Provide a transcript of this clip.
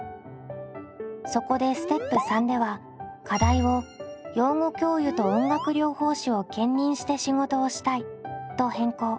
そこでステップ③では課題を「養護教諭と音楽療法士を兼任して仕事をしたい」と変更。